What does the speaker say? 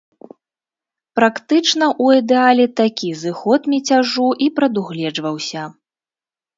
Практычна ў ідэале такі зыход мяцяжу і прадугледжваўся.